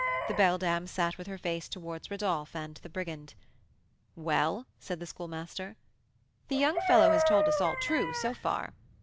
The beldam sat with her face towards Rodolph and the brigand. "Well?" said the Schoolmaster. "The young fellow has told us all true, so far."